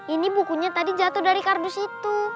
ini bukunya tadi jatuh dari kardus itu